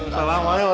masalahnya orangnya ma